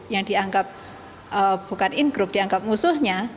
yang dianggap bukan in group dianggap musuhnya